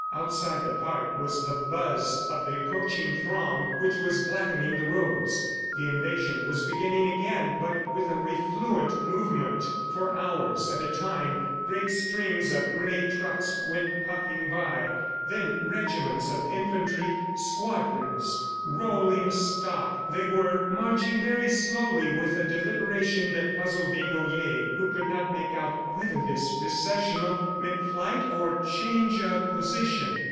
Outside the park was the buzz of the approaching throng which was blackening the roads. The invasion was beginning again, but with a refluent movement. For hours at a time great strings of gray trucks went puffing by; then regiments of infantry, squadrons, rolling stock. They were marching very slowly with a deliberation that puzzled Desnoyers, who could not make out whether this recessional meant flight or change of position.